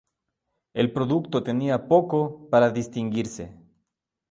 El producto tenía poco para distinguirse.